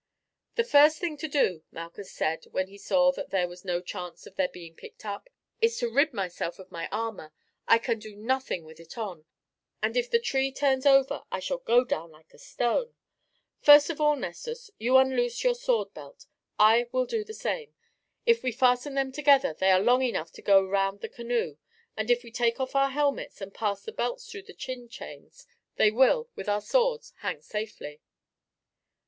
"The first thing to do," Malchus said when he saw that there was no chance of their being picked up, "is to rid myself of my armour. I can do nothing with it on, and if the tree turns over I shall go down like a stone. First of all, Nessus, do you unloose your sword belt. I will do the same. If we fasten them together they are long enough to go round the canoe, and if we take off our helmets and pass the belts through the chin chains they will, with our swords, hang safely."